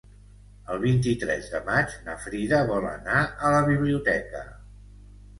El vint-i-tres de maig na Frida vol anar a la biblioteca.